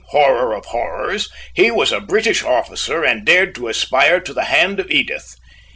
horror of horrors! he was a British officer, and dared to aspire to the hand of Edith.